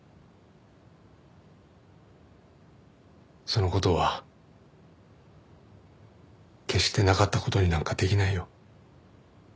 その事は決してなかった事になんかできないよ。